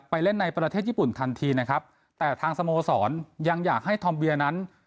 เล่นในประเทศญี่ปุ่นทันทีนะครับแต่ทางสโมสรยังอยากให้ทอมเบียนั้น